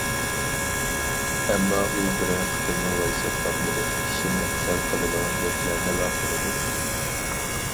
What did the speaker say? ئەمما، ئۇ بىرەر قېتىممۇ ۋايساپ باقمىدى، كىشىنى خۇشال قىلىدىغان گەپلەرنىلا قىلىدۇ.